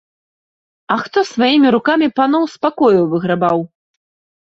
А хто сваімі рукамі паноў з пакояў выграбаў?